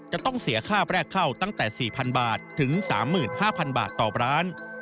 จะต้องเสียค่าแรกเข้าตั้งแต่๔๐๐บาทถึง๓๕๐๐บาทต่อร้าน